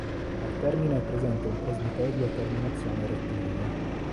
Al termine è presente un presbiterio a terminazione rettilinea.